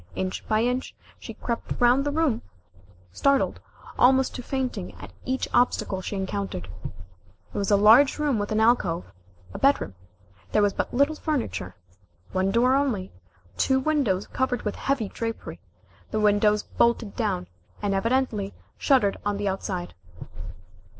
Inch by inch, she crept round the room, startled almost to fainting at each obstacle she encountered. It was a large room with an alcove a bedroom. There was but little furniture, one door only, two windows covered with heavy drapery, the windows bolted down, and evidently shuttered on the outside.